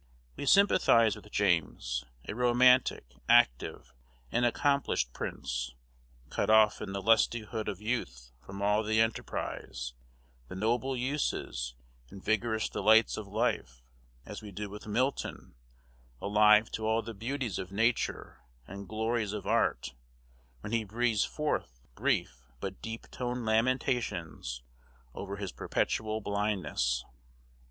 We sympathize with James, a romantic, active, and accomplished prince, cut off in the lustihood of youth from all the enterprise, the noble uses, and vigorous delights of life, as we do with Milton, alive to all the beauties of nature and glories of art, when he breathes forth brief but deep toned lamentations over his perpetual blindness.